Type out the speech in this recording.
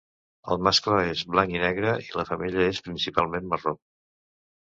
El mascle és blanc i negre i la femella és principalment marró.